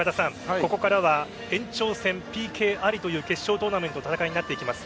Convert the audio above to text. ここからは延長戦、ＰＫありという決勝トーナメントの戦いとなっていきます。